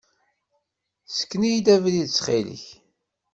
Ssken-iyi-d abrid ttxil-k.